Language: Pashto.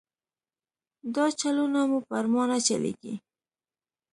دا چلونه مو پر ما نه چلېږي.